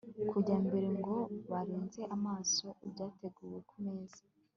kujya mbere ngo barenze amaso ibyateguwe ku meza